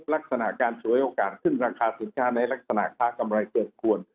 ลักษณะการฉวยโอกาสขึ้นราคาสินค้าในลักษณะค้ากำไรเกินควร